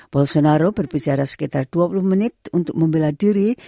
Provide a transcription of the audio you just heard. bolsonaro berbicara sekitar dua puluh menit untuk membela diri